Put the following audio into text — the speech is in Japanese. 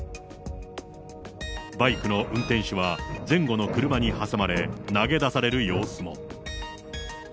バイクの運転手は前後の車に挟まれ、投げ出される様子も。